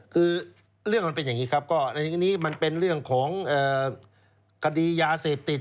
คือเรื่องมันเป็นอย่างนี้ครับคดียาเสพติด